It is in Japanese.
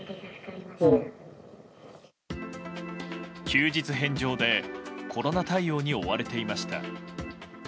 休日返上でコロナ対応に追われていました。